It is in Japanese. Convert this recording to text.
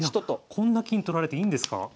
こんな金取られていいんですか？